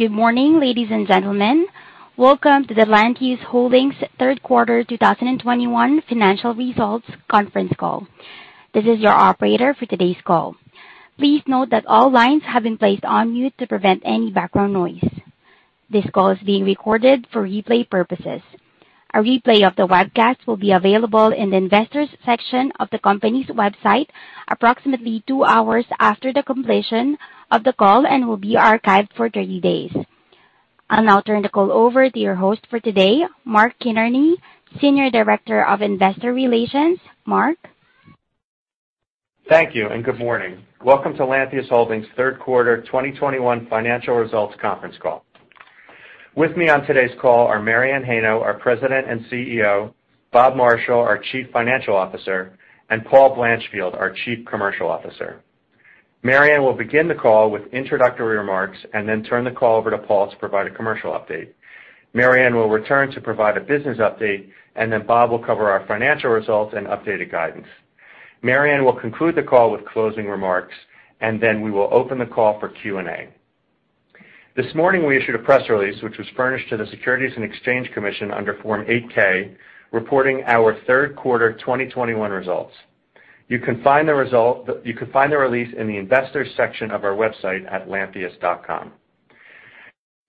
Good morning, ladies and gentlemen. Welcome to the Lantheus Holdings third quarter 2021 financial results conference call. This is your operator for today's call. Please note that all lines have been placed on mute to prevent any background noise. This call is being recorded for replay purposes. A replay of the webcast will be available in the Investors section of the company's website approximately two hours after the completion of the call and will be archived for 30 days. I'll now turn the call over to your host for today, Mark Kinarney, Senior Director, Investor Relations. Mark? Thank you and good morning. Welcome to Lantheus Holdings third quarter 2021 financial results conference call. With me on today's call are Mary Anne Heino, our President and CEO, Bob Marshall, our Chief Financial Officer, and Paul Blanchfield, our Chief Commercial Officer. Mary Anne will begin the call with introductory remarks and then turn the call over to Paul to provide a commercial update. Mary Anne will return to provide a business update, and then Bob will cover our financial results and updated guidance. Mary Anne will conclude the call with closing remarks, and then we will open the call for Q&A. This morning, we issued a press release which was furnished to the Securities and Exchange Commission under Form 8-K, reporting our third quarter 2021 results. You can find the release in the Investors section of our website at lantheus.com.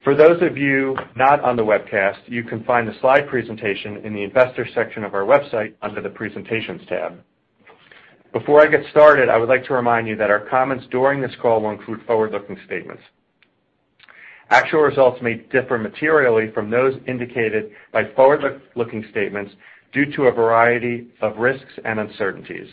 For those of you not on the webcast, you can find the slide presentation in the Investors section of our website under the Presentations tab. Before I get started, I would like to remind you that our comments during this call will include forward-looking statements. Actual results may differ materially from those indicated by forward-looking statements due to a variety of risks and uncertainties.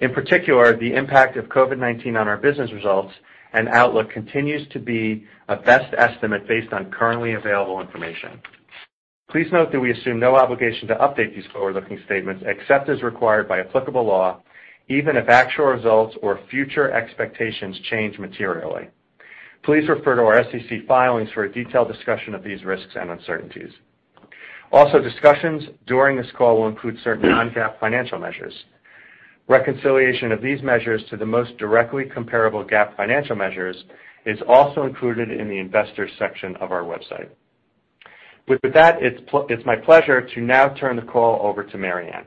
In particular, the impact of COVID-19 on our business results and outlook continues to be a best estimate based on currently available information. Please note that we assume no obligation to update these forward-looking statements, except as required by applicable law, even if actual results or future expectations change materially. Please refer to our SEC filings for a detailed discussion of these risks and uncertainties. Also, discussions during this call will include certain non-GAAP financial measures. Reconciliation of these measures to the most directly comparable GAAP financial measures is also included in the Investors section of our website. With that, it's my pleasure to now turn the call over to Mary Anne.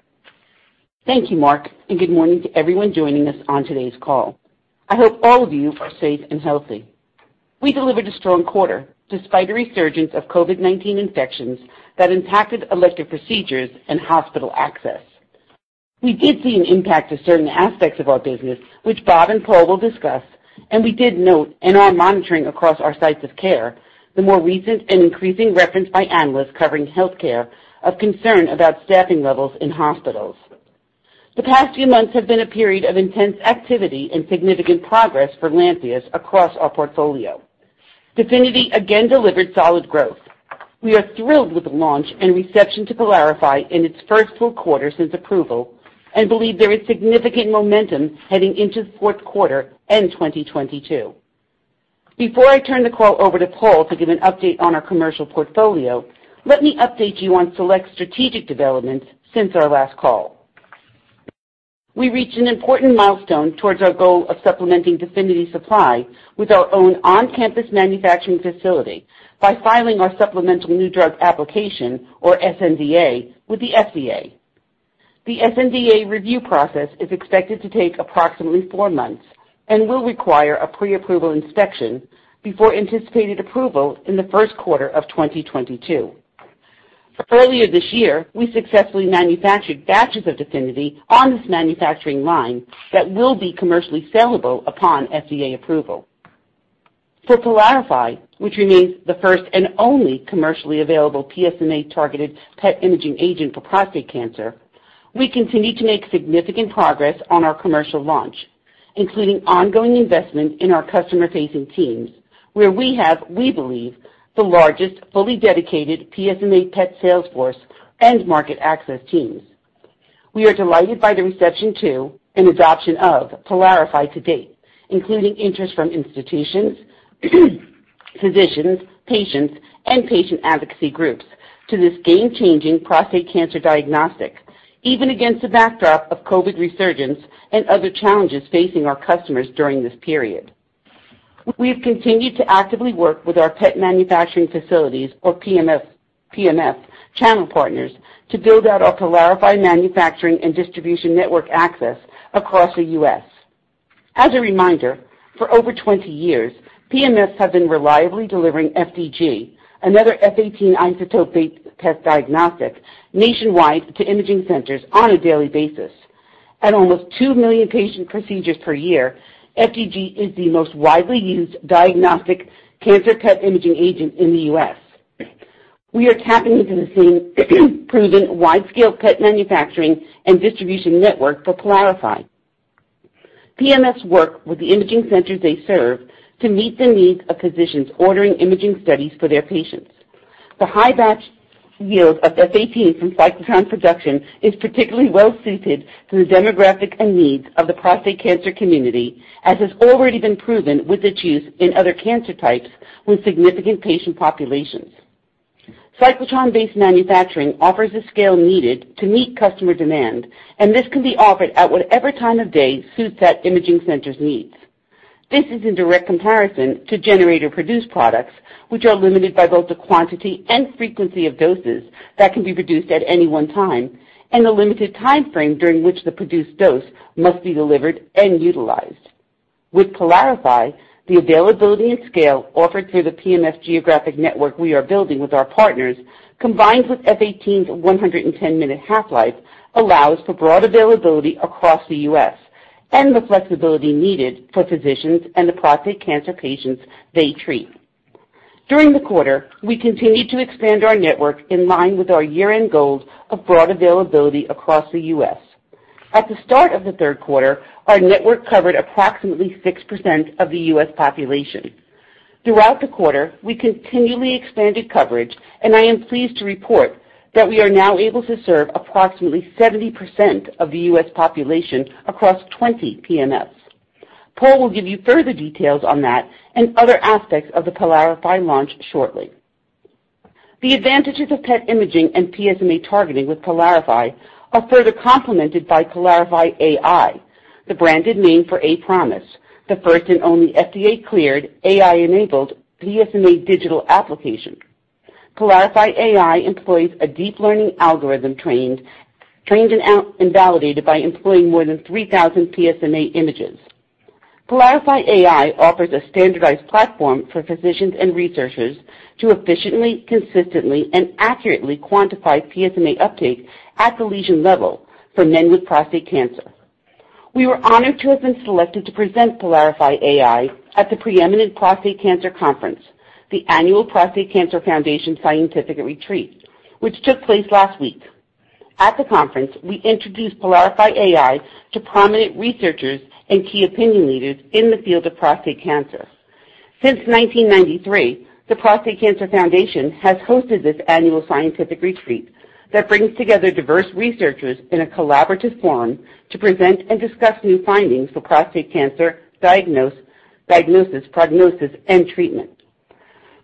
Thank you, Mark, and good morning to everyone joining us on today's call. I hope all of you are safe and healthy. We delivered a strong quarter despite a resurgence of COVID-19 infections that impacted elective procedures and hospital access. We did see an impact to certain aspects of our business, which Bob and Paul will discuss, and we did note in our monitoring across our sites of care the more recent and increasing reference by analysts covering healthcare of concern about staffing levels in hospitals. The past few months have been a period of intense activity and significant progress for Lantheus across our portfolio. DEFINITY again delivered solid growth. We are thrilled with the launch and reception to PYLARIFY in its first full quarter since approval and believe there is significant momentum heading into the fourth quarter and 2022. Before I turn the call over to Paul to give an update on our commercial portfolio, let me update you on select strategic developments since our last call. We reached an important milestone towards our goal of supplementing DEFINITY supply with our own on-campus manufacturing facility by filing our supplemental new drug application or sNDA with the FDA. The sNDA review process is expected to take approximately four months and will require a pre-approval inspection before anticipated approval in the first quarter of 2022. Earlier this year, we successfully manufactured batches of DEFINITY on this manufacturing line that will be commercially sellable upon FDA approval. For PYLARIFY, which remains the first and only commercially available PSMA-targeted PET imaging agent for prostate cancer, we continue to make significant progress on our commercial launch, including ongoing investment in our customer-facing teams, where we have, we believe, the largest fully dedicated PSMA PET sales force and market access teams. We are delighted by the reception to and adoption of PYLARIFY to date, including interest from institutions, physicians, patients, and patient advocacy groups to this game-changing prostate cancer diagnostic, even against the backdrop of COVID resurgence and other challenges facing our customers during this period. We've continued to actively work with our PET manufacturing facilities or PMF channel partners to build out our PYLARIFY manufacturing and distribution network access across the U.S. As a reminder, for over 20 years, PMFs have been reliably delivering FDG, another F-18 isotope-based PET diagnostic nationwide to imaging centers on a daily basis. At almost 2 million patient procedures per year, FDG is the most widely used diagnostic cancer PET imaging agent in the U.S. We are tapping into the same proven wide-scale PET manufacturing and distribution network for PYLARIFY. PMFs work with the imaging centers they serve to meet the needs of physicians ordering imaging studies for their patients. The high batch yield of F-18 from cyclotron production is particularly well suited to the demographic and needs of the prostate cancer community, as has already been proven with its use in other cancer types with significant patient populations. Cyclotron-based manufacturing offers the scale needed to meet customer demand, and this can be offered at whatever time of day suits that imaging center's needs. This is in direct comparison to generator-produced products, which are limited by both the quantity and frequency of doses that can be produced at any one time and the limited timeframe during which the produced dose must be delivered and utilized. With PYLARIFY, the availability and scale offered through the PMF geographic network we are building with our partners, combined with F-18's 110-minute half-life, allows for broad availability across the U.S. and the flexibility needed for physicians and the prostate cancer patients they treat. During the quarter, we continued to expand our network in line with our year-end goal of broad availability across the U.S. At the start of the third quarter, our network covered approximately 6% of the U.S. population. Throughout the quarter, we continually expanded coverage, and I am pleased to report that we are now able to serve approximately 70% of the U.S. population across 20 PMFs. Paul will give you further details on that and other aspects of the PYLARIFY launch shortly. The advantages of PET imaging and PSMA targeting with PYLARIFY are further complemented by PYLARIFY AI, the branded name for aPROMISE, the first and only FDA-cleared AI-enabled PSMA digital application. PYLARIFY AI employs a deep learning algorithm trained and validated by employing more than 3,000 PSMA images. PYLARIFY AI offers a standardized platform for physicians and researchers to efficiently, consistently, and accurately quantify PSMA uptake at the lesion level for men with prostate cancer. We were honored to have been selected to present PYLARIFY AI at the preeminent prostate cancer conference, the Annual Prostate Cancer Foundation Scientific Retreat, which took place last week. At the conference, we introduced PYLARIFY AI to prominent researchers and key opinion leaders in the field of prostate cancer. Since 1993, the Prostate Cancer Foundation has hosted this annual scientific retreat that brings together diverse researchers in a collaborative forum to present and discuss new findings for prostate cancer, diagnosis, prognosis, and treatment.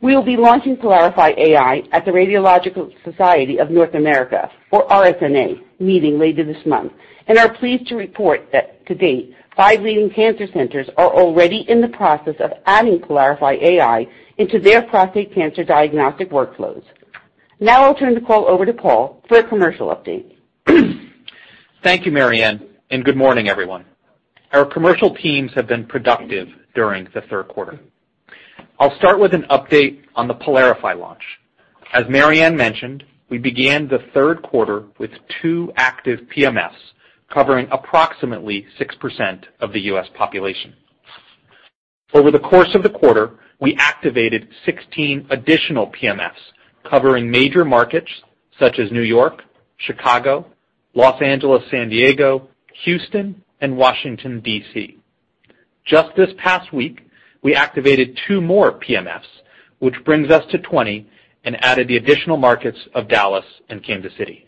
We will be launching PYLARIFY AI at the Radiological Society of North America, or RSNA, meeting later this month and are pleased to report that to date, five leading cancer centers are already in the process of adding PYLARIFY AI into their prostate cancer diagnostic workflows. Now I'll turn the call over to Paul for a commercial update. Thank you, Mary Anne, and good morning, everyone. Our commercial teams have been productive during the third quarter. I'll start with an update on the PYLARIFY launch. As Mary Anne mentioned, we began the third quarter with two active PMFs covering approximately 6% of the U.S. population. Over the course of the quarter, we activated 16 additional PMFs covering major markets such as New York, Chicago, Los Angeles, San Diego, Houston, and Washington, D.C. Just this past week, we activated two more PMFs, which brings us to 20 and added the additional markets of Dallas and Kansas City.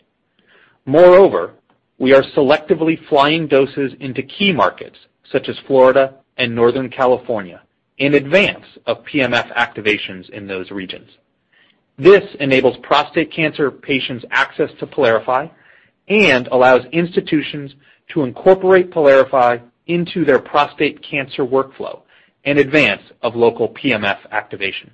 Moreover, we are selectively flying doses into key markets such as Florida and Northern California in advance of PMF activations in those regions. This enables prostate cancer patients access to PYLARIFY and allows institutions to incorporate PYLARIFY into their prostate cancer workflow in advance of local PMF activation.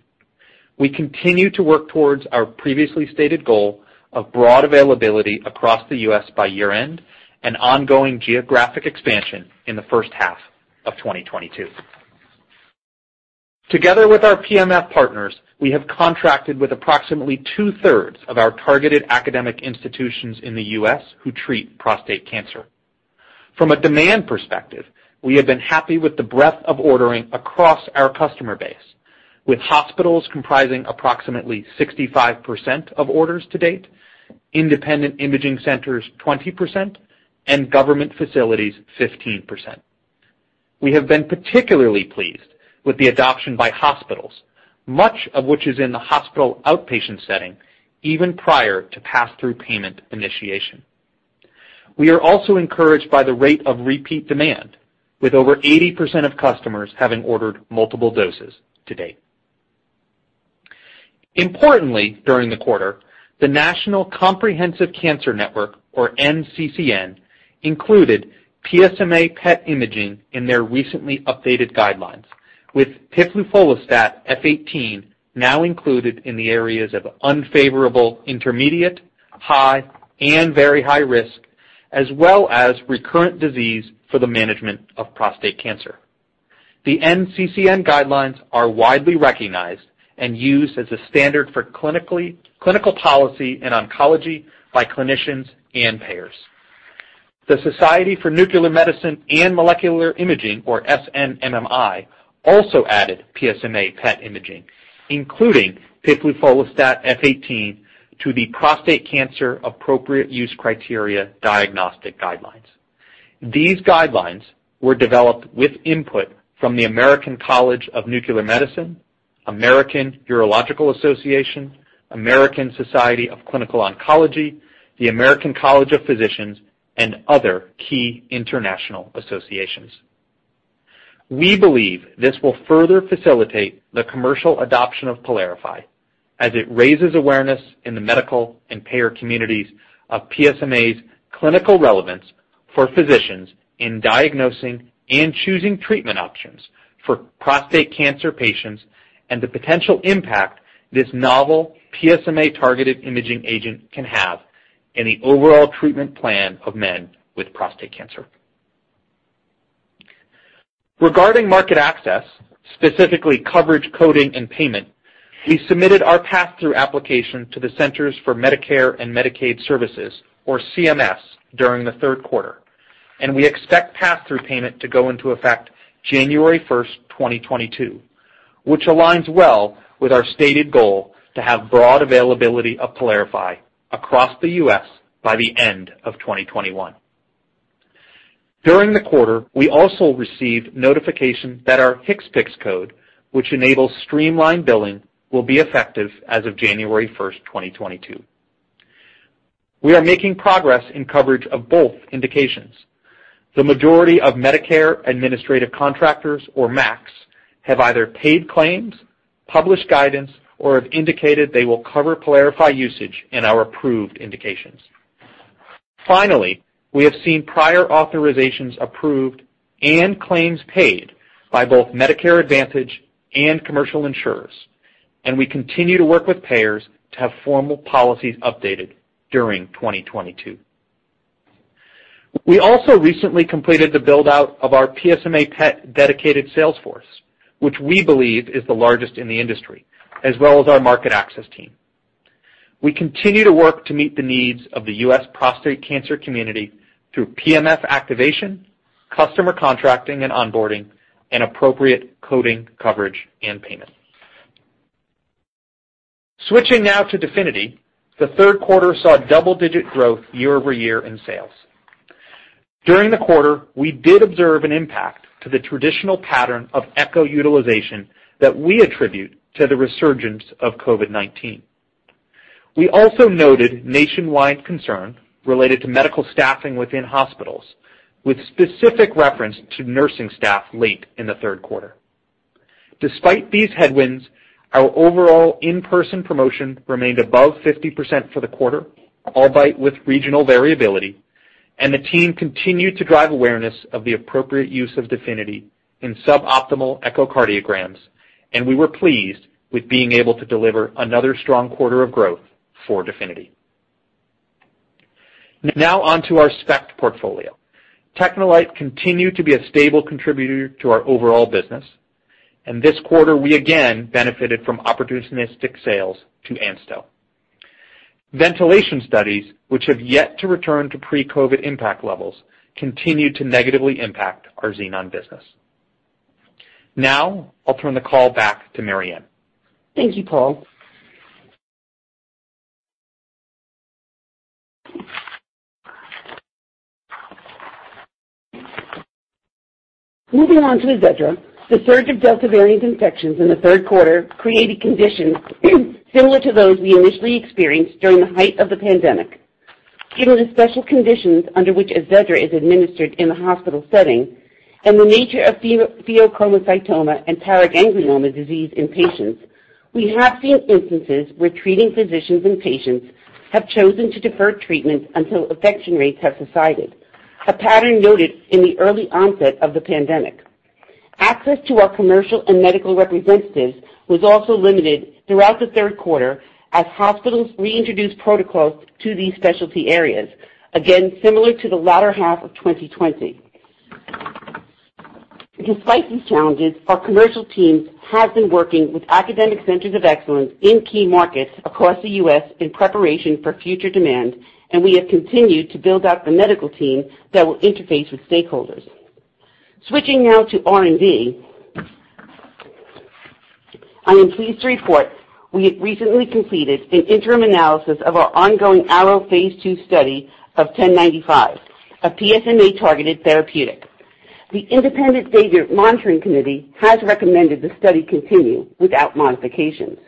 We continue to work towards our previously stated goal of broad availability across the U.S. by year-end and ongoing geographic expansion in the first half of 2022. Together with our PMF partners, we have contracted with approximately two-thirds of our targeted academic institutions in the U.S. who treat prostate cancer. From a demand perspective, we have been happy with the breadth of ordering across our customer base, with hospitals comprising approximately 65% of orders to date, independent imaging centers 20%, and government facilities 15%. We have been particularly pleased with the adoption by hospitals, much of which is in the hospital outpatient setting even prior to pass-through payment initiation. We are also encouraged by the rate of repeat demand, with over 80% of customers having ordered multiple doses to date. Importantly, during the quarter, the National Comprehensive Cancer Network, or NCCN, included PSMA PET imaging in their recently updated guidelines, with piflufolastat F 18 now included in the areas of unfavorable, intermediate, high, and very high risk, as well as recurrent disease for the management of prostate cancer. The NCCN guidelines are widely recognized and used as a standard for clinical policy and oncology by clinicians and payers. The Society of Nuclear Medicine and Molecular Imaging, or SNMMI, also added PSMA PET imaging, including piflufolastat F 18 to the prostate cancer appropriate use criteria diagnostic guidelines. These guidelines were developed with input from the American College of Nuclear Medicine, American Urological Association, American Society of Clinical Oncology, the American College of Physicians, and other key international associations. We believe this will further facilitate the commercial adoption of PYLARIFY as it raises awareness in the medical and payer communities of PSMA's clinical relevance for physicians in diagnosing and choosing treatment options for prostate cancer patients and the potential impact this novel PSMA-targeted imaging agent can have in the overall treatment plan of men with prostate cancer. Regarding market access, specifically coverage, coding, and payment, we submitted our passthrough application to the Centers for Medicare & Medicaid Services, or CMS, during the third quarter, and we expect passthrough payment to go into effect January 1st, 2022, which aligns well with our stated goal to have broad availability of PYLARIFY across the U.S. by the end of 2021. During the quarter, we also received notification that our HCPCS code, which enables streamlined billing, will be effective as of January 1st, 2022. We are making progress in coverage of both indications. The majority of Medicare Administrative Contractors, or MACs, have either paid claims, published guidance, or have indicated they will cover PYLARIFY usage in our approved indications. Finally, we have seen prior authorizations approved and claims paid by both Medicare Advantage and commercial insurers, and we continue to work with payers to have formal policies updated during 2022. We also recently completed the build-out of our PSMA PET dedicated sales force, which we believe is the largest in the industry, as well as our market access team. We continue to work to meet the needs of the U.S. prostate cancer community through PMF activation, customer contracting and onboarding, and appropriate coding coverage and payment. Switching now to DEFINITY, the third quarter saw double-digit growth year-over-year in sales. During the quarter, we did observe an impact to the traditional pattern of echo utilization that we attribute to the resurgence of COVID-19. We also noted nationwide concern related to medical staffing within hospitals, with specific reference to nursing staff late in the third quarter. Despite these headwinds, our overall in-person promotion remained above 50% for the quarter, albeit with regional variability, and the team continued to drive awareness of the appropriate use of DEFINITY in suboptimal echocardiograms, and we were pleased with being able to deliver another strong quarter of growth for DEFINITY. Now on to our SPECT portfolio. TechneLite continued to be a stable contributor to our overall business, and this quarter, we again benefited from opportunistic sales to ANSTO. Ventilation studies, which have yet to return to pre-COVID impact levels, continued to negatively impact our Xenon business. Now I'll turn the call back to Mary Anne. Thank you, Paul. Moving on to AZEDRA, the surge of Delta variant infections in the third quarter created conditions similar to those we initially experienced during the height of the pandemic. Given the special conditions under which AZEDRA is administered in the hospital setting and the nature of pheochromocytoma and paraganglioma disease in patients, we have seen instances where treating physicians and patients have chosen to defer treatment until infection rates have subsided, a pattern noted in the early onset of the pandemic. Access to our commercial and medical representatives was also limited throughout the third quarter as hospitals reintroduced protocols to these specialty areas, again similar to the latter half of 2020. Despite these challenges, our commercial teams have been working with academic centers of excellence in key markets across the U.S. in preparation for future demand, and we have continued to build out the medical team that will interface with stakeholders. Switching now to R&D. I am pleased to report we have recently completed an interim analysis of our ongoing ARROW phase II study of 1095, a PSMA-targeted therapeutic. The independent data monitoring committee has recommended the study continue without modifications.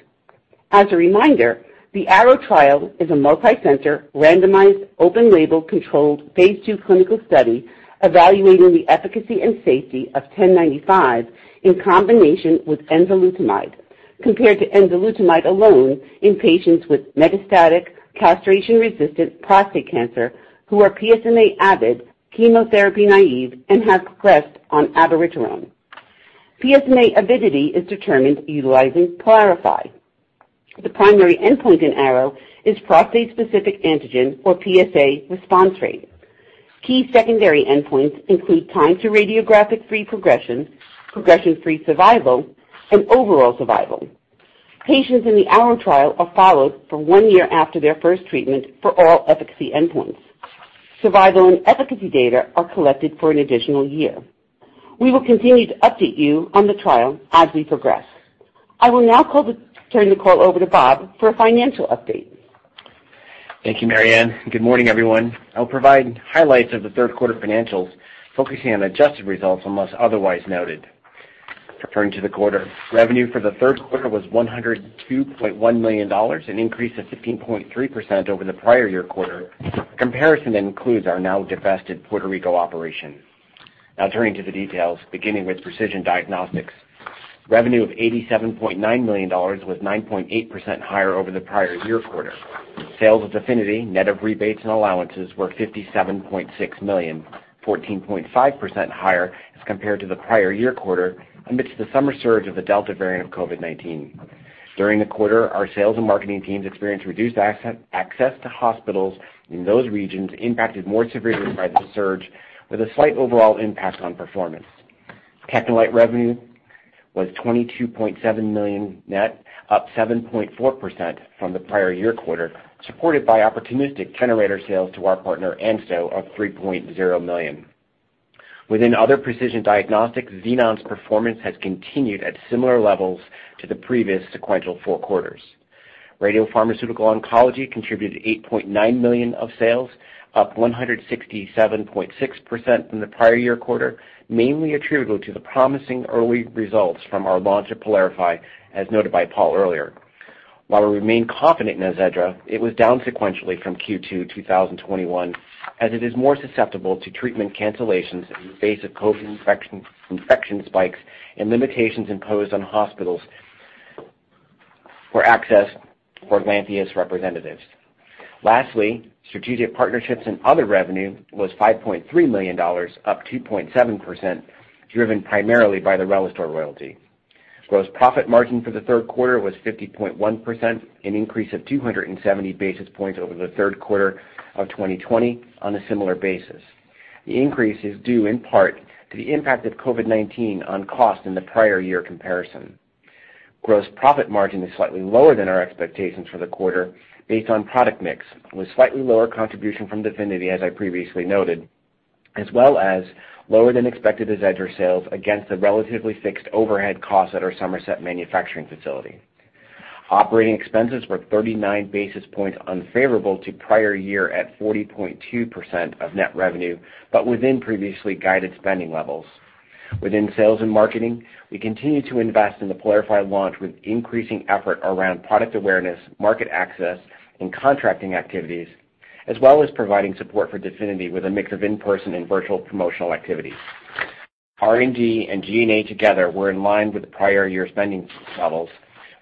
As a reminder, the ARROW trial is a multicenter, randomized, open-label, controlled phase II clinical study evaluating the efficacy and safety of 1095 in combination with enzalutamide compared to enzalutamide alone in patients with metastatic castration-resistant prostate cancer who are PSMA avid, chemotherapy naive, and have progressed on abiraterone. PSMA avidity is determined utilizing PYLARIFY. The primary endpoint in ARROW is prostate-specific antigen or PSA response rate. Key secondary endpoints include time to radiographic-free progression-free survival, and overall survival. Patients in the ARROW trial are followed for one year after their first treatment for all efficacy endpoints. Survival and efficacy data are collected for an additional year. We will continue to update you on the trial as we progress. I will now turn the call over to Bob for a financial update. Thank you, Mary Anne. Good morning, everyone. I'll provide highlights of the third quarter financials, focusing on adjusted results unless otherwise noted. Turning to the quarter. Revenue for the third quarter was $102.1 million, an increase of 15.3% over the prior year quarter. Comparison includes our now divested Puerto Rico operation. Now turning to the details, beginning with Precision Diagnostics. Revenue of $87.9 million was 9.8% higher over the prior year quarter. Sales of DEFINITY, net of rebates and allowances, were $57.6 million, 14.5% higher as compared to the prior year quarter amidst the summer surge of the Delta variant of COVID-19. During the quarter, our sales and marketing teams experienced reduced access to hospitals in those regions impacted more severely by the surge with a slight overall impact on performance. TechneLite revenue was $22.7 million net, up 7.4% from the prior year quarter, supported by opportunistic generator sales to our partner, ANSTO, of $3.0 million. Within other precision diagnostics, Xenon's performance has continued at similar levels to the previous sequential four quarters. Radiopharmaceutical oncology contributed $8.9 million of sales, up 167.6% from the prior year quarter, mainly attributable to the promising early results from our launch of PYLARIFY, as noted by Paul earlier. While we remain confident in AZEDRA, it was down sequentially from Q2 2021, as it is more susceptible to treatment cancellations in the face of COVID-19 infection spikes and limitations imposed on hospitals for access for Lantheus's representatives. Lastly, strategic partnerships and other revenue was $5.3 million, up 2.7%, driven primarily by the RELISTOR royalty. Gross profit margin for the third quarter was 50.1%, an increase of 270 basis points over the third quarter of 2020 on a similar basis. The increase is due in part to the impact of COVID-19 on cost in the prior year comparison. Gross profit margin is slightly lower than our expectations for the quarter based on product mix, with slightly lower contribution from DEFINITY, as I previously noted, as well as lower than expected AZEDRA sales against the relatively fixed overhead costs at our Somerset manufacturing facility. Operating expenses were 39 basis points unfavorable to prior year at 40.2% of net revenue, but within previously guided spending levels. Within sales and marketing, we continue to invest in the PYLARIFY launch with increasing effort around product awareness, market access, and contracting activities, as well as providing support for DEFINITY with a mix of in-person and virtual promotional activities. R&D and G&A together were in line with the prior year spending levels,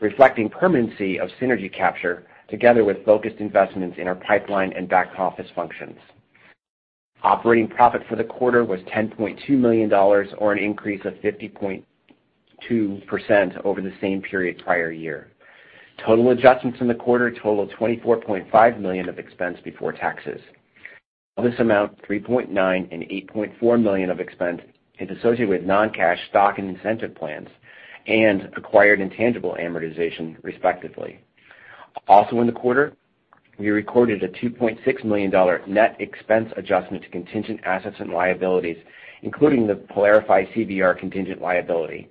reflecting permanency of synergy capture together with focused investments in our pipeline and back-office functions. Operating profit for the quarter was $10.2 million or an increase of 50.2% over the same period prior year. Total adjustments in the quarter totaled $24.5 million of expense before taxes. Of this amount, $3.9 million and $8.4 million of expense is associated with non-cash stock and incentive plans and acquired intangible amortization, respectively. In the quarter, we recorded a $2.6 million net expense adjustment to contingent assets and liabilities, including the PYLARIFY CVR contingent liability.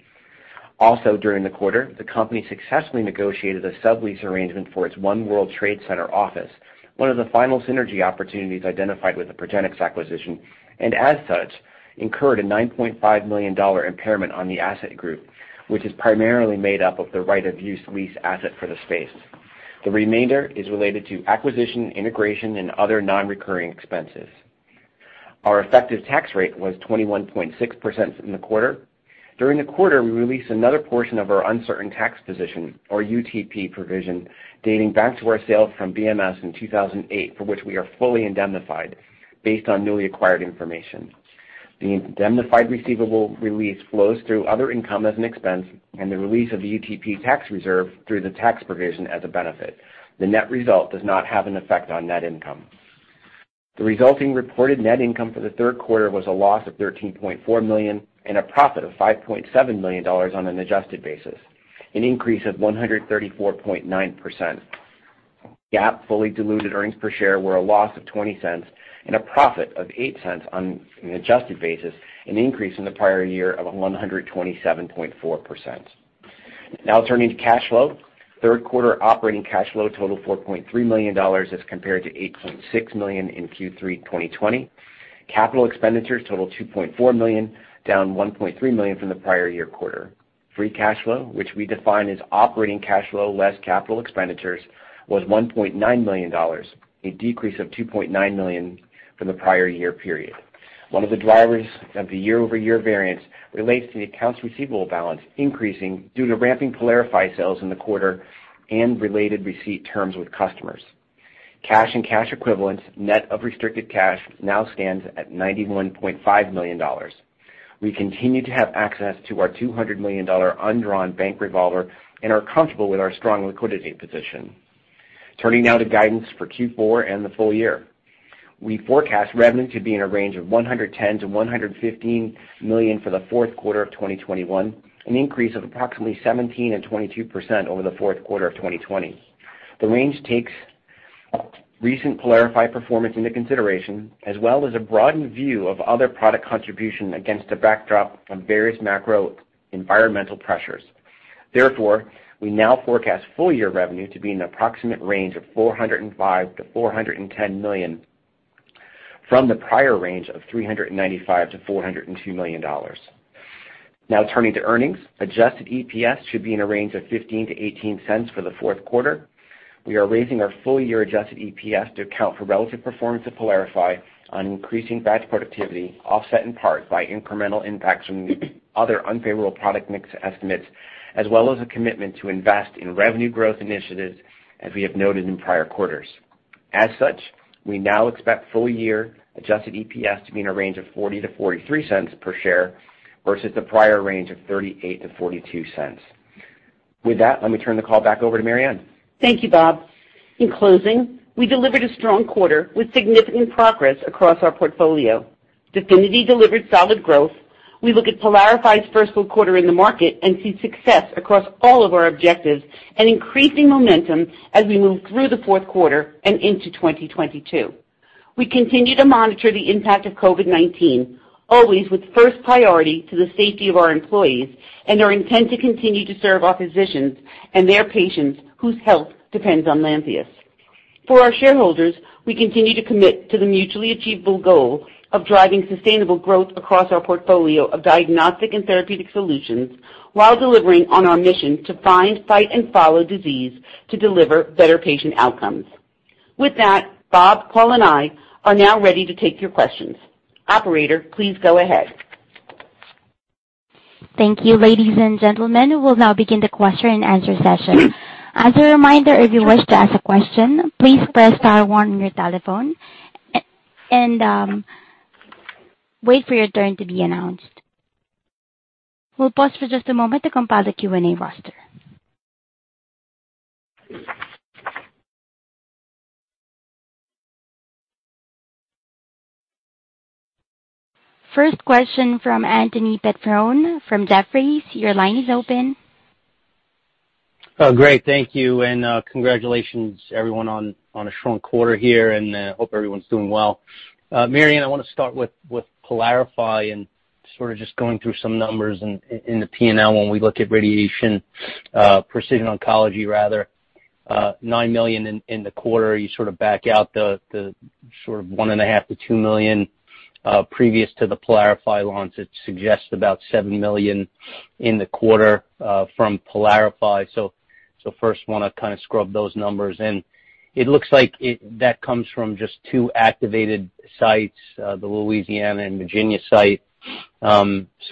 During the quarter, the company successfully negotiated a sublease arrangement for its One World Trade Center office, one of the final synergy opportunities identified with the Progenics acquisition, and as such, incurred a $9.5 million impairment on the asset group, which is primarily made up of the right-of-use lease asset for the space. The remainder is related to acquisition, integration, and other non-recurring expenses. Our effective tax rate was 21.6% in the quarter. During the quarter, we released another portion of our uncertain tax position, or UTP provision, dating back to our sale from BMS in 2008, for which we are fully indemnified based on newly acquired information. The indemnified receivable release flows through other income as an expense and the release of the UTP tax reserve through the tax provision as a benefit. The net result does not have an effect on net income. The resulting reported net income for the third quarter was a loss of $13.4 million and a profit of $5.7 million on an adjusted basis, an increase of 134.9%. GAAP fully diluted earnings per share were a loss of $0.20 and a profit of $0.08 on an adjusted basis, an increase in the prior year of 127.4%. Now turning to cash flow. Third quarter operating cash flow totaled $4.3 million as compared to $8.6 million in Q3 2020. Capital expenditures totaled $2.4 million, down $1.3 million from the prior year quarter. Free cash flow, which we define as operating cash flow less capital expenditures, was $1.9 million, a decrease of $2.9 million from the prior year period. One of the drivers of the year-over-year variance relates to the accounts receivable balance increasing due to ramping PYLARIFY sales in the quarter and related receipt terms with customers. Cash and cash equivalents, net of restricted cash, now stands at $91.5 million. We continue to have access to our $200 million undrawn bank revolver and are comfortable with our strong liquidity position. Turning now to guidance for Q4 and the full year. We forecast revenue to be in a range of $110 million-$115 million for the fourth quarter of 2021, an increase of approximately 17%-22% over the fourth quarter of 2020. The range takes recent Pylarify performance into consideration, as well as a broadened view of other product contribution against a backdrop of various macro environmental pressures. Therefore, we now forecast full year revenue to be in the approximate range of $405 million-$410 million. From the prior range of $395 million-$402 million. Now turning to earnings. Adjusted EPS should be in a range of $0.15-$0.18 for the fourth quarter. We are raising our full year adjusted EPS to account for relative performance of PYLARIFY on increasing batch productivity, offset in part by incremental impacts from the other unfavorable product mix estimates, as well as a commitment to invest in revenue growth initiatives as we have noted in prior quarters. As such, we now expect full year adjusted EPS to be in a range of $0.40-$0.43 per share versus the prior range of $0.38-$0.42. With that, let me turn the call back over to Mary Anne. Thank you, Bob. In closing, we delivered a strong quarter with significant progress across our portfolio. DEFINITY delivered solid growth. We look at PYLARIFY's first full quarter in the market and see success across all of our objectives and increasing momentum as we move through the fourth quarter and into 2022. We continue to monitor the impact of COVID-19, always with first priority to the safety of our employees and our intent to continue to serve our physicians and their patients whose health depends on Lantheus. For our shareholders, we continue to commit to the mutually achievable goal of driving sustainable growth across our portfolio of diagnostic and therapeutic solutions while delivering on our mission to find, fight, and follow disease to deliver better patient outcomes. With that, Bob, Paul, and I are now ready to take your questions. Operator, please go ahead. Thank you. Ladies and gentlemen, we'll now begin the question and answer session. As a reminder, if you wish to ask a question, please press star one on your telephone and wait for your turn to be announced. We'll pause for just a moment to compile the Q&A roster. First question from Anthony Petrone from Jefferies. Your line is open. Oh, great. Thank you, and congratulations everyone on a strong quarter here, and hope everyone's doing well. Mary Anne, I wanna start with PYLARIFY and sort of just going through some numbers in the P&L when we look at radiation precision oncology rather. $9 million in the quarter. You sort of back out the sort of $1.5 million-$2 million previous to the PYLARIFY launch. It suggests about $7 million in the quarter from PYLARIFY. First wanna kind of scrub those numbers in. It looks like that comes from just two activated sites, the Louisiana and Virginia site.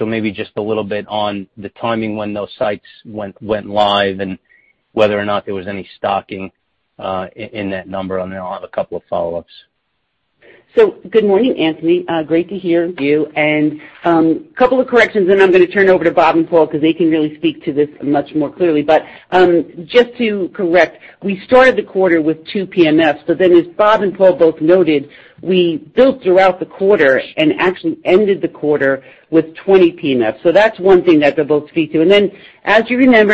Maybe just a little bit on the timing when those sites went live and whether or not there was any stocking in that number, and then I'll have a couple of follow-ups. Good morning, Anthony. Great to hear you. Couple of corrections and I'm gonna turn over to Bob and Paul 'cause they can really speak to this much more clearly. Just to correct, we started the quarter with two PMFs, but then as Bob and Paul both noted, we built throughout the quarter and actually ended the quarter with 20 PMFs. That's one thing that they'll both speak to. Then as you remember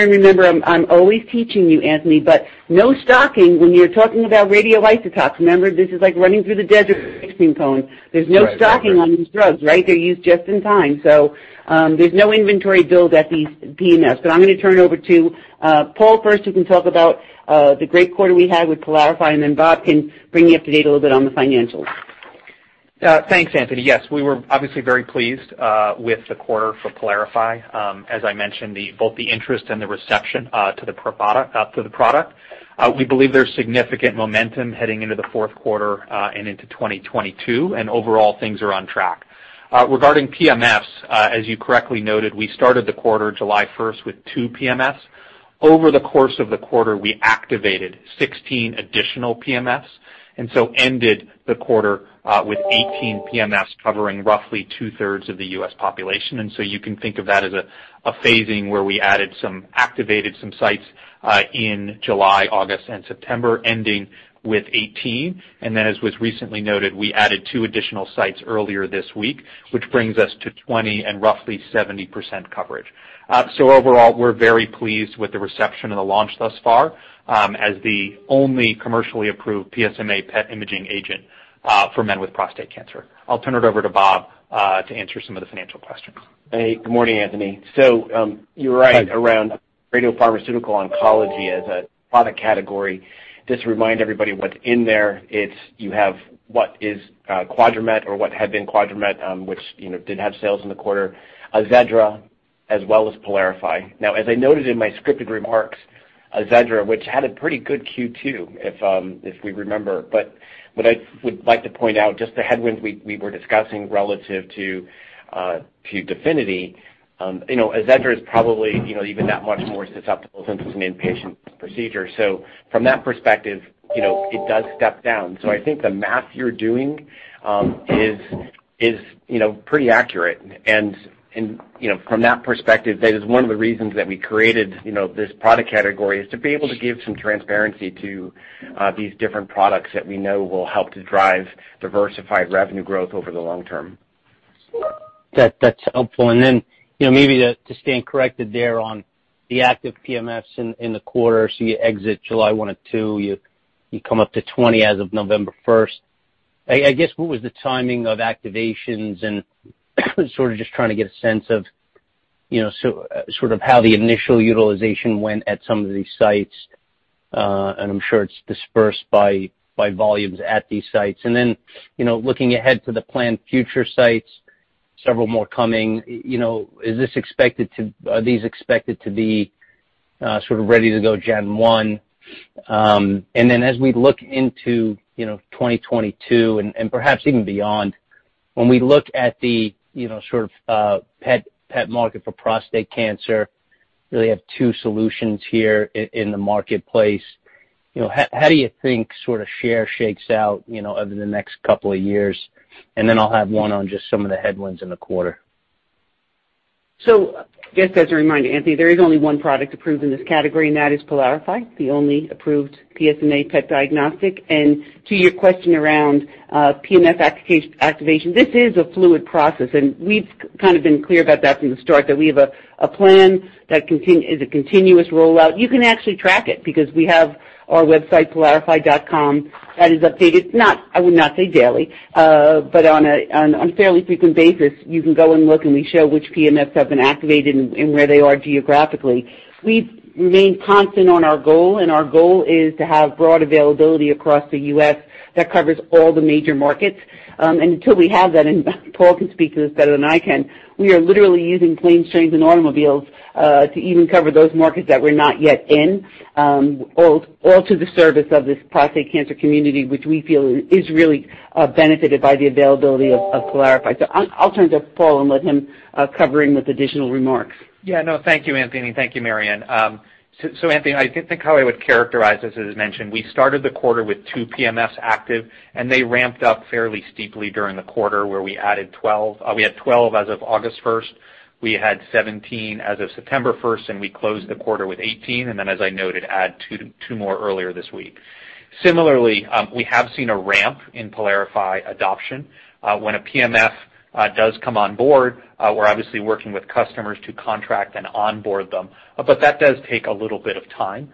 I'm always teaching you, Anthony, but no stocking when you're talking about radiotoxins. Remember, this is like running through the desert with a pitching cone. Right, right. There's no stocking on these drugs, right? They're used just in time. There's no inventory build at these PMFs. I'm gonna turn it over to Paul first, who can talk about the great quarter we had with PYLARIFY, and then Bob can bring you up to date a little bit on the financials. Thanks, Anthony. Yes, we were obviously very pleased with the quarter for PYLARIFY. As I mentioned, both the interest and the reception to the PYLARIFY product. We believe there's significant momentum heading into the fourth quarter and into 2022, and overall things are on track. Regarding PMFs, as you correctly noted, we started the quarter July 1st with two PMFs. Over the course of the quarter, we activated 16 additional PMFs, and so ended the quarter with 18 PMFs covering roughly two-thirds of the U.S. population. You can think of that as a phasing where we activated some sites in July, August, and September, ending with 18. As was recently noted, we added two additional sites earlier this week, which brings us to 20 and roughly 70% coverage. Overall, we're very pleased with the reception and the launch thus far, as the only commercially approved PSMA PET imaging agent for men with prostate cancer. I'll turn it over to Bob to answer some of the financial questions. Hey, good morning, Anthony. You're right around radiopharmaceutical oncology as a product category. Just to remind everybody what's in there, it's you have what is Quadramet or what had been Quadramet, which, you know, did have sales in the quarter, AZEDRA, as well as PYLARIFY. Now, as I noted in my scripted remarks, AZEDRA, which had a pretty good Q2 if we remember. What I would like to point out, just the headwinds we were discussing relative to DEFINITY, you know, AZEDRA is probably, you know, even that much more susceptible since it's an inpatient procedure. From that perspective, you know, it does step down. I think the math you're doing is, you know, pretty accurate. You know, from that perspective, that is one of the reasons that we created, you know, this product category is to be able to give some transparency to these different products that we know will help to drive diversified revenue growth over the long term. That's helpful. Then, you know, maybe to stand corrected there on the active PMFs in the quarter. You exit July 1 at 2, you come up to 20 as of November 1st. I guess, what was the timing of activations? Sort of just trying to get a sense of you know, sort of how the initial utilization went at some of these sites, and I'm sure it's dispersed by volumes at these sites. Then, you know, looking ahead to the planned future sites, several more coming, you know, is this expected to, are these expected to be, sort of ready to go gen one? As we look into 2022 and perhaps even beyond, when we look at the, you know, sort of PET market for prostate cancer, really have two solutions here in the marketplace. You know, how do you think sort of share shakes out, you know, over the next couple of years? I'll have one on just some of the headwinds in the quarter. Just as a reminder, Anthony, there is only one product approved in this category, and that is PYLARIFY, the only approved PSMA PET diagnostic. To your question around PSMA activation, this is a fluid process, and we've kind of been clear about that from the start that we have a plan that is a continuous rollout. You can actually track it because we have our website, pylarify.com, that is updated, not, I would not say daily, but on a fairly frequent basis, you can go and look, and we show which PSMA have been activated and where they are geographically. We've remained constant on our goal, and our goal is to have broad availability across the U.S. that covers all the major markets. Until we have that, and Paul can speak to this better than I can, we are literally using planes, trains, and automobiles to even cover those markets that we're not yet in, all to the service of this prostate cancer community, which we feel is really benefited by the availability of PYLARIFY. I'll turn to Paul and let him chime in with additional remarks. Thank you, Anthony. Thank you, Mary Anne. Anthony, I think how I would characterize this, as mentioned, we started the quarter with two PSMA active, and they ramped up fairly steeply during the quarter where we added 12. We had 12 as of August 1st. We had 17 as of September 1st, and we closed the quarter with 18, and then as I noted, added two more earlier this week. Similarly, we have seen a ramp in Pylarify adoption. When a PSMA does come on board, we're obviously working with customers to contract and onboard them, but that does take a little bit of time.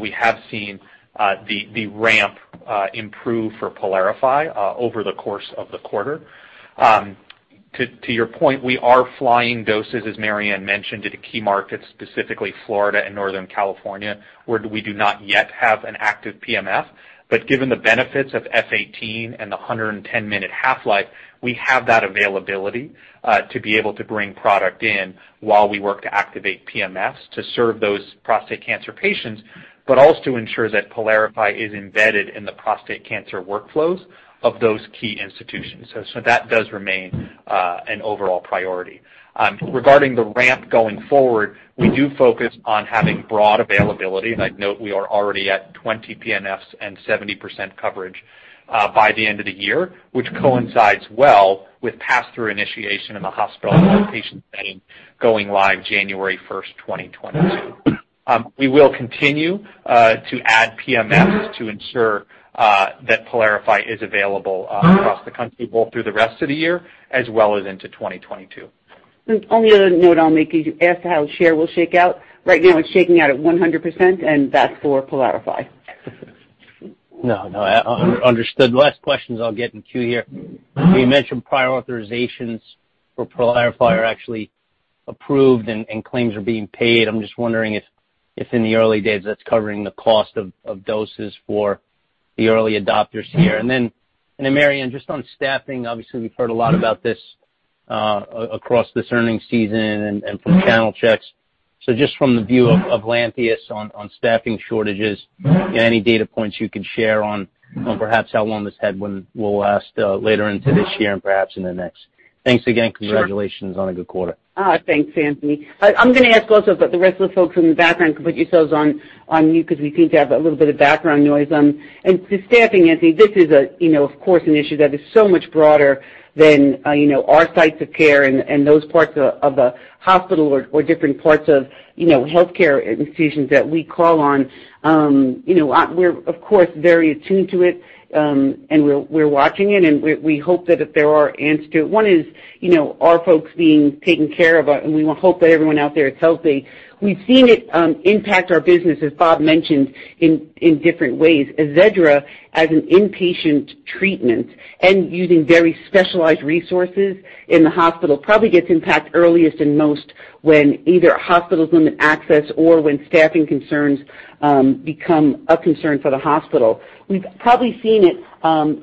We have seen the ramp improve for Pylarify over the course of the quarter. To your point, we are flying doses, as Marianne mentioned, to the key markets, specifically Florida and Northern California, where we do not yet have an active PSMA. Given the benefits of F-18 and the 110-minute half-life, we have that availability to be able to bring product in while we work to activate PSMA to serve those prostate cancer patients, but also to ensure that PYLARIFY is embedded in the prostate cancer workflows of those key institutions. That does remain an overall priority. Regarding the ramp going forward, we do focus on having broad availability, and I'd note we are already at 20 PSMA and 70% coverage by the end of the year, which coincides well with pass-through initiation in the hospital and outpatient setting going live January 1st, 2022. We will continue to add PMS to ensure that PYLARIFY is available across the country both through the rest of the year as well as into 2022. One other note I'll make is you asked how share will shake out. Right now, it's shaking out at 100%, and that's for PYLARIFY. No, no. Understood. Last questions I'll get in queue here. You mentioned prior authorizations for PYLARIFY are actually approved and claims are being paid. I'm just wondering if in the early days that's covering the cost of doses for the early adopters here. Then Mary Anne, just on staffing, obviously, we've heard a lot about this across this earnings season and from channel checks. Just from the view of Lantheus on staffing shortages and any data points you can share on perhaps how long this headwind will last later into this year and perhaps in the next. Thanks again. Sure. Congratulations on a good quarter. Thanks, Anthony. I'm gonna ask also if the rest of the folks in the background can put yourselves on mute because we seem to have a little bit of background noise. To staffing, Anthony, this is, you know, of course, an issue that is so much broader than our sites of care and those parts of the hospital or different parts of healthcare institutions that we call on. You know, we're, of course, very attuned to it, and we're watching it, and we hope that if there are answers to it. One is, you know, our folks being taken care of, and we hope that everyone out there is healthy. We've seen it impact our business, as Bob mentioned, in different ways. AZEDRA, as an inpatient treatment and using very specialized resources in the hospital probably gets impact earliest and most when either hospitals limit access or when staffing concerns become a concern for the hospital. We've probably seen it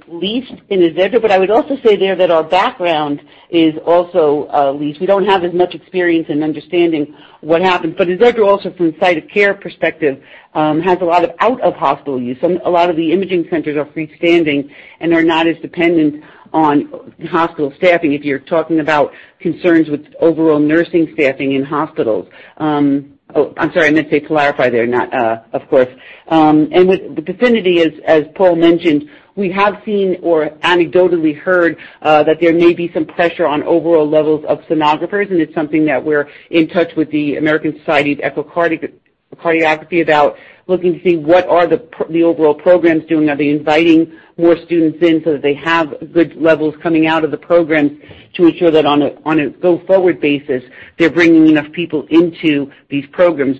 least in AZEDRA, but I would also say there that our background is also least. We don't have as much experience in understanding what happens. AZEDRA also from site of care perspective has a lot of out-of-hospital use. A lot of the imaging centers are freestanding and are not as dependent on hospital staffing if you're talking about concerns with overall nursing staffing in hospitals. Oh, I'm sorry, I meant to say PYLARIFY there, not AZEDRA, of course. With the DEFINITY, as Paul mentioned, we have seen or anecdotally heard that there may be some pressure on overall levels of sonographers, and it's something that we're in touch with the American Society of Echocardiography about looking to see what the overall programs are doing. Are they inviting more students in so that they have good levels coming out of the program to ensure that on a go-forward basis, they're bringing enough people into these programs.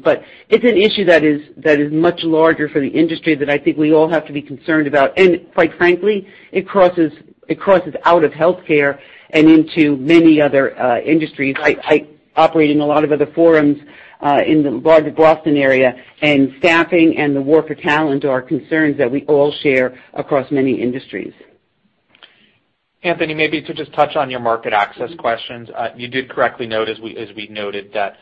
It's an issue that is much larger for the industry that I think we all have to be concerned about. Quite frankly, it crosses out of healthcare and into many other industries. I operate in a lot of other forums in the larger Boston area, and staffing and the war for talent are concerns that we all share across many industries. Anthony, maybe to just touch on your market access questions. You did correctly note as we noted that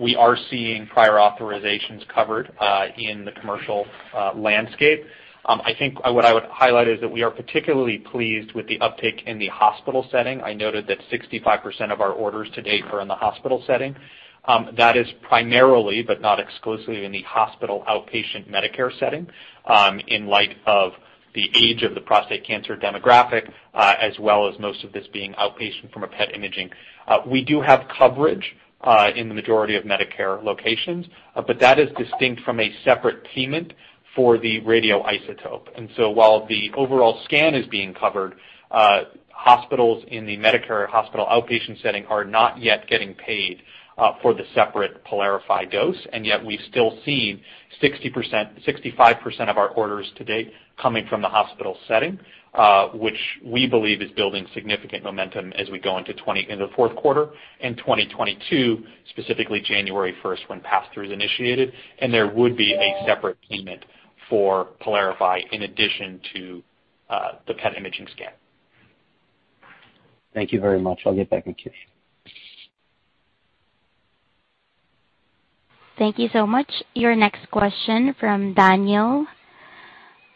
we are seeing prior authorizations covered in the commercial landscape. I think what I would highlight is that we are particularly pleased with the uptick in the hospital setting. I noted that 65% of our orders to date are in the hospital setting. That is primarily, but not exclusively, in the hospital outpatient Medicare setting, in light of the age of the prostate cancer demographic, as well as most of this being outpatient from a PET imaging. We do have coverage in the majority of Medicare locations, but that is distinct from a separate payment for the radioisotope. While the overall scan is being covered, hospitals in the Medicare hospital outpatient setting are not yet getting paid for the separate PYLARIFY dose. Yet we've still seen 60%-65% of our orders to date coming from the hospital setting, which we believe is building significant momentum as we go into the fourth quarter and 2022, specifically January first when pass-through is initiated. There would be a separate payment for PYLARIFY in addition to the PET imaging scan. Thank you very much. I'll get back in queue. Thank you so much. Your next question from Danielle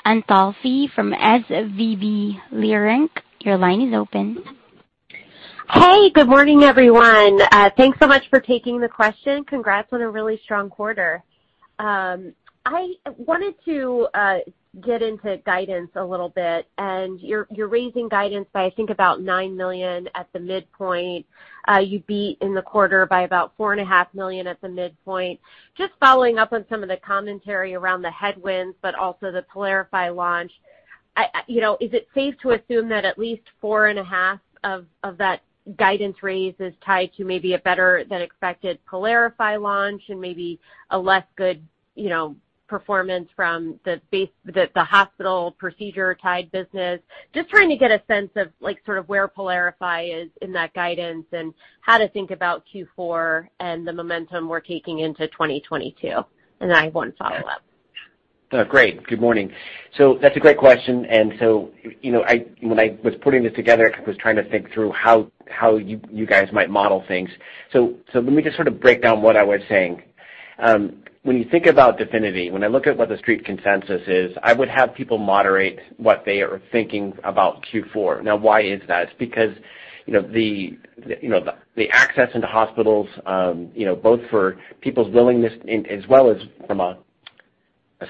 Antalffy from SVB Leerink. Your line is open. Hey, good morning, everyone. Thanks so much for taking the question. Congrats on a really strong quarter. I wanted to get into guidance a little bit, and you're raising guidance by, I think, about $9 million at the midpoint. You beat in the quarter by about $4.5 million at the midpoint. Just following up on some of the commentary around the headwinds, but also the Pylarify launch. You know, is it safe to assume that at least $4.5 million of that guidance raise is tied to maybe a better than expected Pylarify launch and maybe a less good, you know, performance from the hospital procedure tied business? Just trying to get a sense of like, sort of where PYLARIFY is in that guidance and how to think about Q4 and the momentum we're taking into 2022. I have one follow-up. Great. Good morning. That's a great question. You know, when I was putting this together, I was trying to think through how you guys might model things. Let me just sort of break down what I was saying. When you think about DEFINITY, when I look at what the Street consensus is, I would have people moderate what they are thinking about Q4. Now why is that? It's because, you know, the access into hospitals, you know, both for people's willingness in as well as from a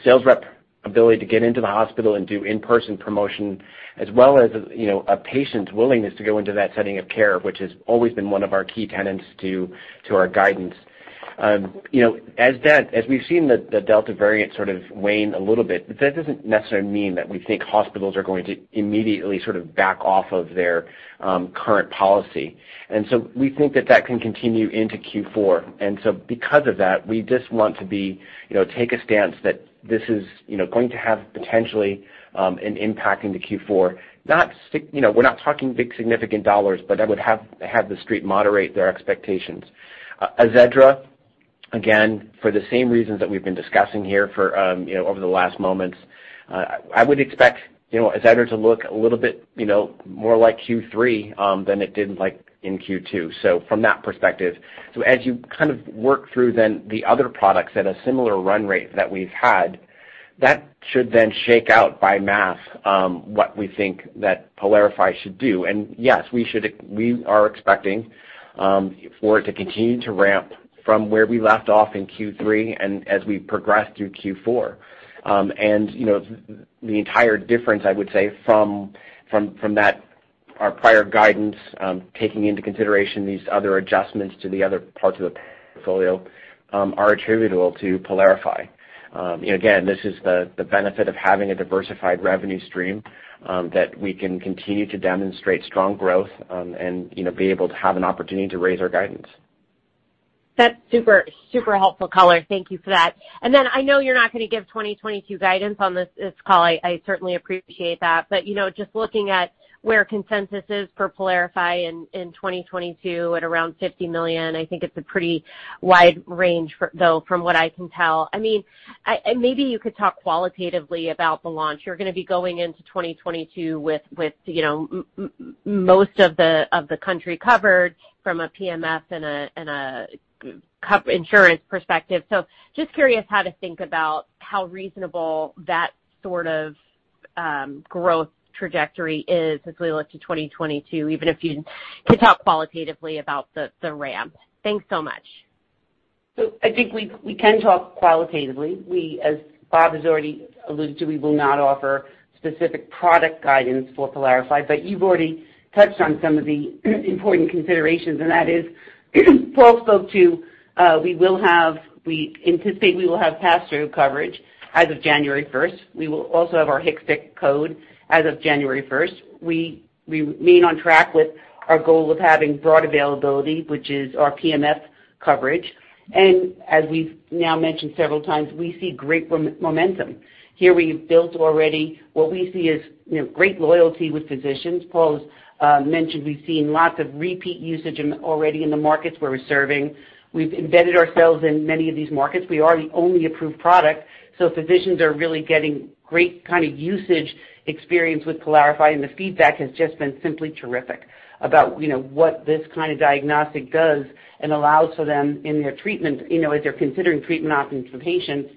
sales rep ability to get into the hospital and do in-person promotion, as well as, you know, a patient's willingness to go into that setting of care, which has always been one of our key tenets to our guidance. You know, as we've seen the Delta variant sort of wane a little bit, that doesn't necessarily mean that we think hospitals are going to immediately sort of back off of their current policy. We think that that can continue into Q4. Because of that, we just want to take a stance that this is going to have potentially an impact into Q4. Not significant. You know, we're not talking big, significant dollars, but I would have the Street moderate their expectations. AZEDRA, again, for the same reasons that we've been discussing here for, you know, over the last moments, I would expect AZEDRA to look a little bit, you know, more like Q3 than it did like in Q2. So from that perspective. As you kind of work through then the other products at a similar run rate that we've had, that should then shake out by math, what we think that PYLARIFY should do. Yes, we are expecting for it to continue to ramp from where we left off in Q3 and as we progress through Q4. You know, the entire difference, I would say, from that, our prior guidance, taking into consideration these other adjustments to the other parts of the portfolio, are attributable to PYLARIFY. You know, again, this is the benefit of having a diversified revenue stream, that we can continue to demonstrate strong growth, and you know, be able to have an opportunity to raise our guidance. That's super helpful color. Thank you for that. Then I know you're not gonna give 2022 guidance on this call. I certainly appreciate that. You know, just looking at where consensus is for PYLARIFY in 2022 at around $50 million, I think it's a pretty wide range, though from what I can tell. I mean, and maybe you could talk qualitatively about the launch. You're gonna be going into 2022 with, you know, most of the country covered from a PSMA and a co-insurance perspective. Just curious how to think about how reasonable that sort of growth trajectory is as we look to 2022, even if you can talk qualitatively about the ramp. Thanks so much. I think we can talk qualitatively. As Bob has already alluded to, we will not offer specific product guidance for PYLARIFY, but you've already touched on some of the important considerations, and that is, Paul spoke to, we anticipate we will have pass-through coverage as of January first. We will also have our HCPCS code as of January first. We remain on track with our goal of having broad availability, which is our PSMA coverage. As we've now mentioned several times, we see great momentum. Here we've built already what we see as, you know, great loyalty with physicians. Paul's mentioned we've seen lots of repeat usage already in the markets where we're serving. We've embedded ourselves in many of these markets. We are the only approved product, so physicians are really getting great kind of usage experience with PYLARIFY, and the feedback has just been simply terrific about, you know, what this kind of diagnostic does and allows for them in their treatment, you know, as they're considering treatment options for patients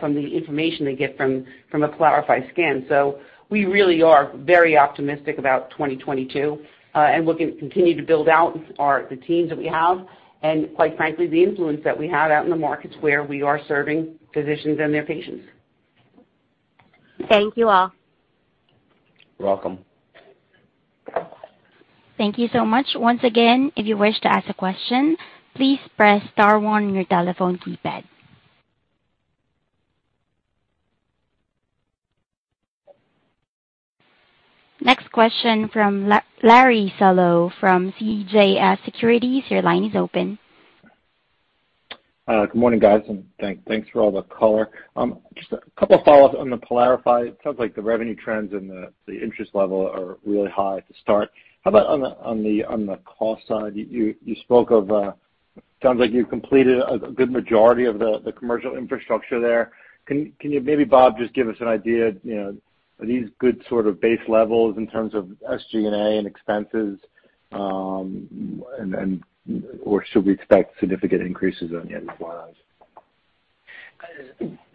from the information they get from a PYLARIFY scan. We really are very optimistic about 2022 and looking to continue to build out our, the teams that we have and quite frankly, the influence that we have out in the markets where we are serving physicians and their patients. Thank you all. You're welcome. Thank you so much. Once again, if you wish to ask a question, please press star one on your telephone keypad. Next question from Larry Solow from CJS Securities. Your line is open. Good morning, guys, and thanks for all the color. Just a couple of follow-ups on the PYLARIFY. It sounds like the revenue trends and the interest level are really high at the start. How about on the cost side, you spoke of sounds like you completed a good majority of the commercial infrastructure there. Can you maybe, Bob, just give us an idea, you know, are these good sort of base levels in terms of SG&A and expenses, and or should we expect significant increases on any of these lines?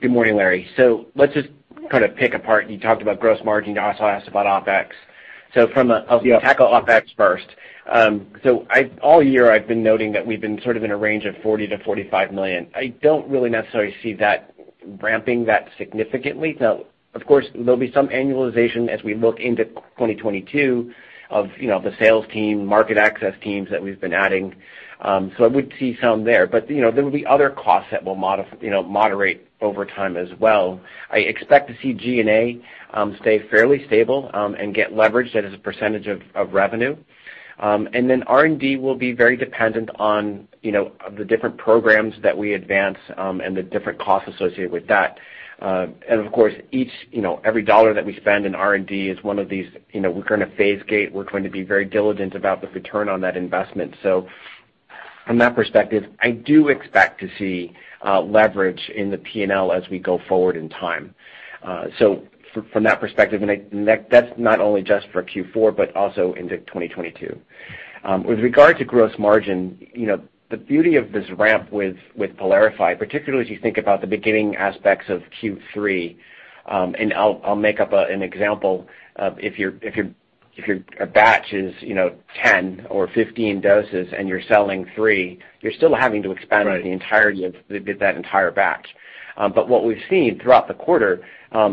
Good morning, Larry. Let's just kind of pick apart. You talked about gross margin. You also asked about OpEx. From a- Yeah. I'll tackle OpEx first. All year I've been noting that we've been sort of in a range of $40 million-$45 million. I don't really necessarily see that ramping that significantly. Now, of course, there'll be some annualization as we look into 2022 of, you know, the sales team, market access teams that we've been adding. I would see some there. You know, there will be other costs that will moderate over time as well. I expect to see G&A stay fairly stable, and get leverage that is a percentage of revenue. R&D will be very dependent on, you know, the different programs that we advance, and the different costs associated with that. Of course, each you know, every dollar that we spend in R&D is one of these, you know, we're gonna phase gate. We're going to be very diligent about the return on that investment. From that perspective, I do expect to see leverage in the P&L as we go forward in time. From that perspective, that's not only just for Q4 but also into 2022. With regard to gross margin, you know, the beauty of this ramp with PYLARIFY, particularly as you think about the beginning aspects of Q3, and I'll make up an example of if your batch is, you know, 10 or 15 doses and you're selling three, you're still having to expend- Right. The entirety of that entire batch. But what we've seen throughout the quarter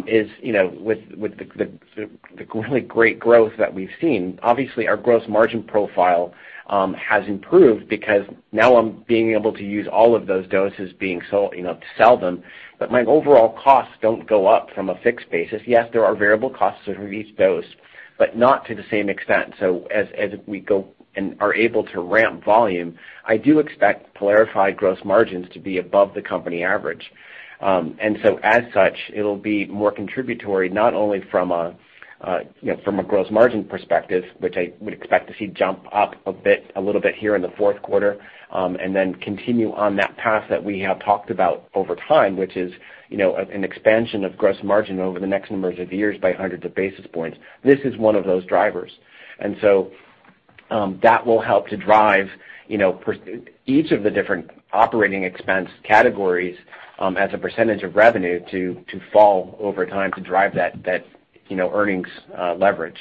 is, you know, with the really great growth that we've seen, obviously our gross margin profile has improved because now I'm being able to use all of those doses being sold, you know, to sell them, but my overall costs don't go up from a fixed basis. Yes, there are variable costs for each dose, but not to the same extent. So as we go and are able to ramp volume, I do expect PYLARIFY gross margins to be above the company average. As such, it'll be more contributory, not only from a, you know, from a gross margin perspective, which I would expect to see jump up a bit, a little bit here in the fourth quarter, and then continue on that path that we have talked about over time, which is, you know, an expansion of gross margin over the next number of years by hundreds of basis points. This is one of those drivers. That will help to drive, you know, each of the different operating expense categories, as a percentage of revenue, to fall over time to drive that, you know, earnings leverage.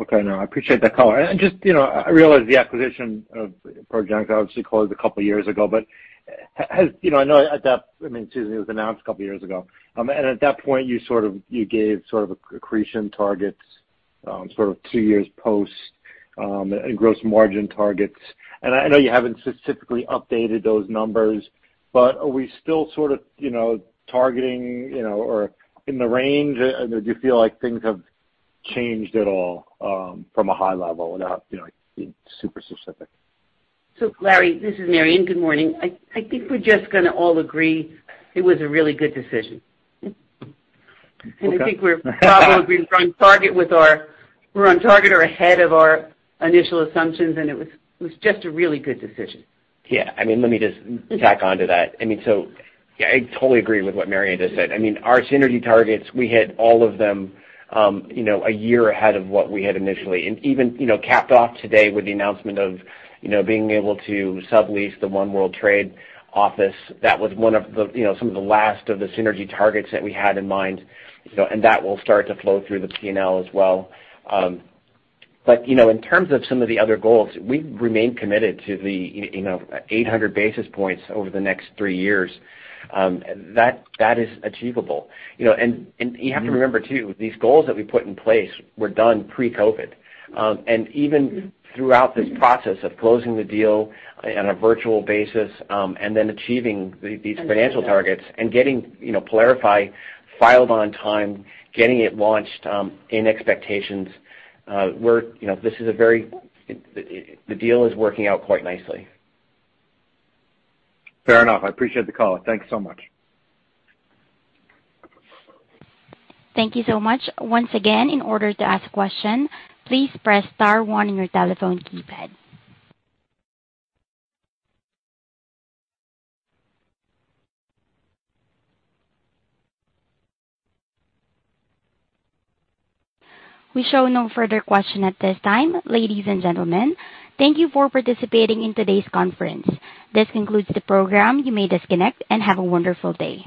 Okay. No, I appreciate that color. Just, you know, I realize the acquisition of Progenics obviously closed a couple years ago, but has, you know, I know at that, I mean, excuse me, it was announced a couple years ago. And at that point, you sort of, you gave sort of accretion targets, sort of two years post, and gross margin targets. I know you haven't specifically updated those numbers, but are we still sort of, you know, targeting, you know, or in the range? Do you feel like things have changed at all, from a high level without, you know, being super specific? Larry, this is Mary. Good morning. I think we're just gonna all agree it was a really good decision. Okay. I think Bob will agree, we're on target or ahead of our initial assumptions, and it was just a really good decision. Yeah. I mean, let me just tack onto that. I mean, so yeah, I totally agree with what Mary just said. I mean, our synergy targets, we hit all of them, you know, a year ahead of what we had initially. Even, you know, capped off today with the announcement of, you know, being able to sublease the One World Trade office, that was one of the, you know, some of the last of the synergy targets that we had in mind, you know, and that will start to flow through the P&L as well. You know, in terms of some of the other goals, we remain committed to the you know 800 basis points over the next three years, and that is achievable. You know, and you have to remember too, these goals that we put in place were done pre-COVID. Even throughout this process of closing the deal on a virtual basis, and then achieving these financial targets and getting, you know, PYLARIFY filed on time, getting it launched within expectations. The deal is working out quite nicely. Fair enough. I appreciate the call. Thanks so much. Thank you so much. Once again, in order to ask a question, please press star one on your telephone keypad. We show no further question at this time. Ladies and gentlemen, thank you for participating in today's conference. This concludes the program. You may disconnect and have a wonderful day.